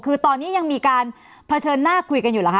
คือตอนนี้ยังมีการเผชิญหน้าคุยกันอยู่เหรอค